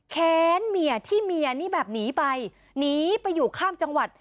แค้นเมียที่เมียนี่แบบหนีไปหนีไปอยู่ข้ามจังหวัด